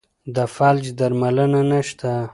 د فلج درملنه نشته.